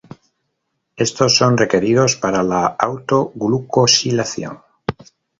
Estos son requeridos para la auto-glucosilación.